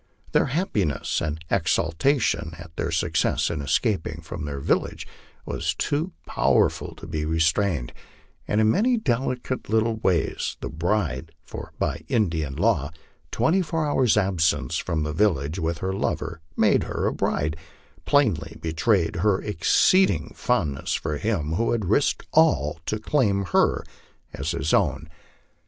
Their happiness and exultation at their success in escaping from their village were too powerful to be restrain ed, and in many delicate little ways the bride for by Indian law twenty four hours 1 absence from the village with her lover made her a bride plainly be trayed her exceeding fondness for him who had risked all to claim her as his own.